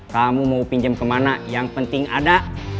kamu mau pinjam ke mana yang penting ada